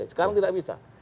sekarang tidak bisa